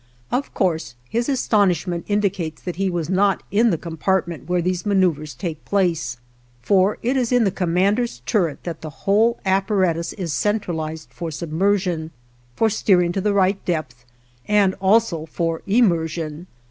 Of course his astonishment indicates that he was not in the compartment where these maneuvers take place, for it is in the commander's turret that the whole apparatus is centralized for submersion, for steering to the right depth, and also for emersion.